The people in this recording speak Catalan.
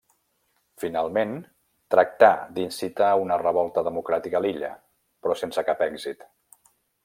Finalment, tractà d'incitar una revolta democràtica a l'illa, però sense cap èxit.